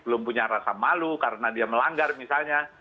belum punya rasa malu karena dia melanggar misalnya